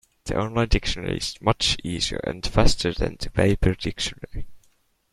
The online dictionary is much easier and faster than the paper dictionary.